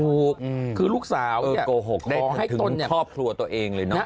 ถูกคือลูกสาวเนี้ยโกหกได้ถึงชอบครัวตัวเองเลยเนอะ